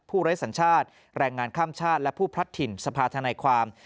ไร้สัญชาติแรงงานข้ามชาติและผู้พลัดถิ่นสภาธนายความ